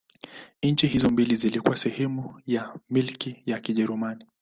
Nchi hizo mbili zilikuwa sehemu ya Milki ya Kijerumani.